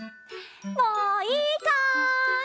もういいかい？